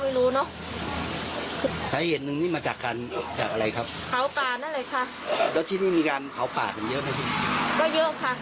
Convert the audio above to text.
เพราะว่าเขาจะได้ง่ายต่อการให้มันไม่ลุกกันเนอะหาง่าย